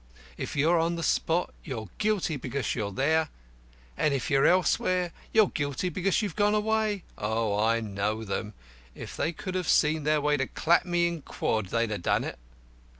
If you're on the spot you're guilty because you're there, and if you're elsewhere you're guilty because you have gone away. Oh, I know them! If they could have seen their way to clap me in quod, they'd ha' done it.